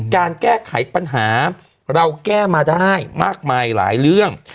การแก้ไขปัญหาเราแก้มาได้มากมายหลายเรื่อง